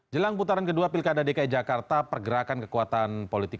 jelang putaran kedua pilkada dki jakarta pergerakan kekuatan politik